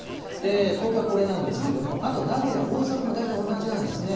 東京はこれなんですけれども、あと名古屋、大阪も大体同じなんですね。